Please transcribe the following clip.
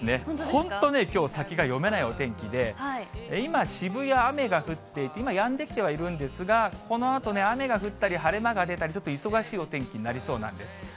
本当、きょう、先が読めないお天気で、今、渋谷、雨が降っていて、今やんできてはいるんですが、このあとね、雨が降ったり、晴れ間が出たり、ちょっと忙しいお天気になりそうなんです。